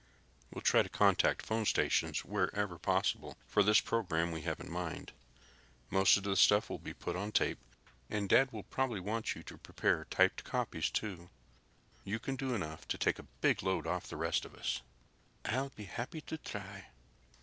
We'll try to contact phone stations wherever possible for this program we have in mind. Most of the stuff will be put on tape, and Dad will probably want you to prepare typed copies, too. You can do enough to take a big load off the rest of us." "I'll be happy to try."